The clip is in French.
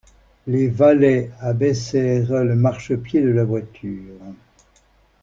Les valets abaissèrent le marchepied de la voiture.